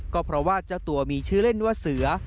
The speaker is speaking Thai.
ก็เพราะว่าเจ้าตัวมีชื่อเล่นว่าเสือ